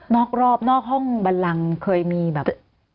อกรอบนอกห้องบันลังเคยมีแบบ